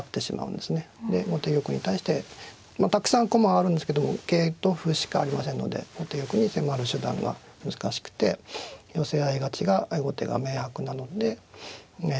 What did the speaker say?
で後手玉に対してたくさん駒あるんですけど桂と歩しかありませんので後手玉に迫る手段が難しくて寄せ合い勝ちが後手が明白なのでええ